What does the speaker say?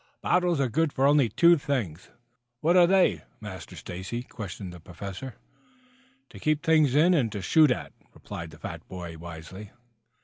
"Bottles are good for only two things." "And what are they, Master Stacy?" questioned the Professor. "To keep things in and to shoot at," replied the fat boy wisely.